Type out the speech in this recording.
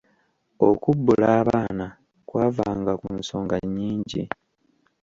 Okubbula abaana kwavanga ku nsonga nnyingi.